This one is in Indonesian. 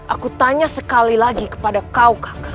aku tanya sekali lagi kepada kau kak